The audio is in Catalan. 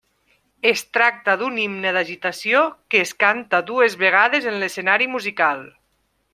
Es tracte d’un himne d'agitació que es canta dues vegades en l'escenari musical.